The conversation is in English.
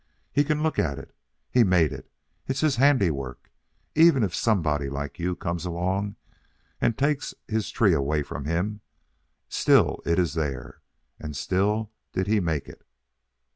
He can look at it. He made it. It's his handiwork. Even if somebody like you comes along and takes his tree away from him, still it is there, and still did he make it.